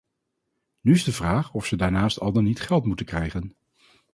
Nu is de vraag of ze daarnaast al dan niet geld moeten krijgen.